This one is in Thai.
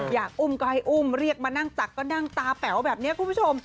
อยากอุ้มก็ให้อุ้มเรียกมานั่งตักก็นั่งตาแป๋วแบบนี้คุณผู้ชม